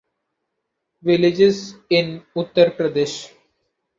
Villages in Uttar Pradesh